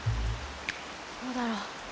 どうだろう。